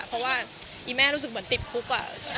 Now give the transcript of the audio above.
เพราะแม่รู้สึกแบบติดฟุ้กอะ